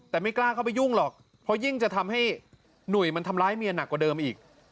แต่ไม่กล้าเข้าไปยุ่งหรอกเพราะยิ่งจะทำให้หนุ่ยมันทำร้ายเมียหนักกว่าเดิมอีก